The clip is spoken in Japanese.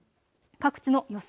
各地の予想